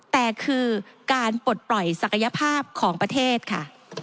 แต่คือการปลดปล่อยศักยภาพของประเทศค่ะ